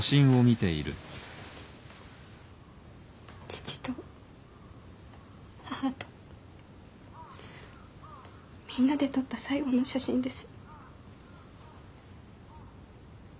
父と母とみんなで撮った最後の写真です。